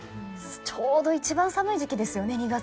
ちょうど一番寒い時期ですよね２月って。